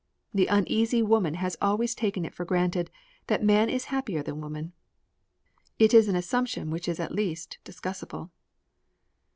The uneasy woman has always taken it for granted that man is happier than woman. It is an assumption which is at least discussible.